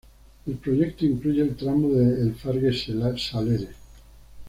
El proyecto incluye el tramo de El Fargue Saleres